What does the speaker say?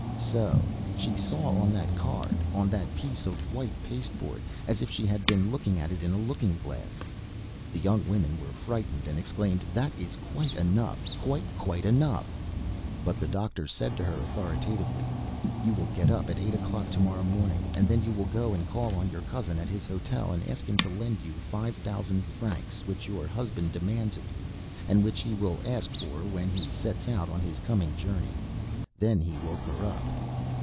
So she saw on that card, on that piece of white pasteboard, as if she had seen it in a looking glass. The young women were frightened, and exclaimed: "That is quite enough! Quite, quite enough!" But the doctor said to her authoritatively: "You will get up at eight o'clock to morrow morning; then you will go and call on your cousin at his hotel and ask him to lend you five thousand francs which your husband demands of you, and which he will ask for when he sets out on his coming journey." Then he woke her up.